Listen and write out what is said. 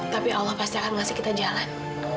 tapi allah pasti akan ngasih kita jalan